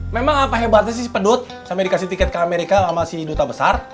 memang apa hebatnya sih si pedut sampai dikasih tiket ke amerika sama si duta besar